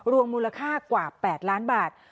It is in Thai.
มูลค่ากว่า๘ล้านบาท